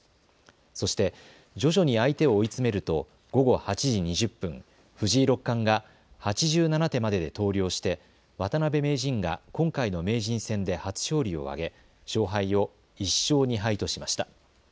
そして徐々に相手を追い詰めると午後８時２０分、藤井六冠が８７手までで投了して渡辺名人が今回の名人戦で初勝利を挙げ勝敗を１勝２敗としました。